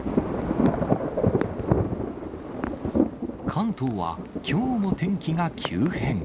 関東はきょうも天気が急変。